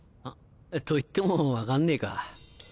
と言っても分かんねえか。